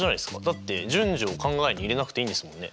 だって順序を考えに入れなくていいんですもんね。